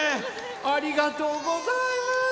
ありがとうございます。